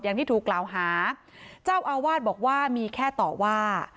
อย่างที่ถูกกล่าวหาเจ้าอาวาสบอกว่ามีแค่ต่อว่า